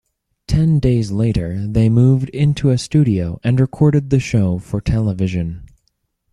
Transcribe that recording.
Ten days later, they moved into a studio and recorded the show for television.